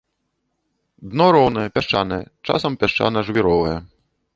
Дно роўнае, пясчанае, часам пясчана-жвіровае.